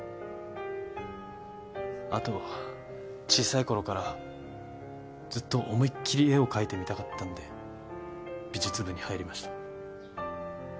あと小さいころからずっと思いっ切り絵を描いてみたかったんで美術部に入りました。